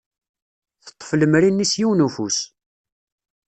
Teṭṭef lemri-nni s yiwen n ufus.